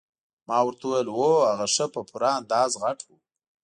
ما ورته وویل هو هغه ښه په پوره اندازه غټ وو.